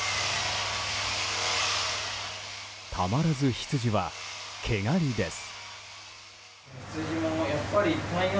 たまらずヒツジは毛刈りです。